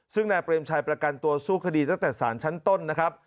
ซึ่งนายเปรมชัยประกันตัวสู้คดีตั้งแต่สารชั้นต้นนะครับ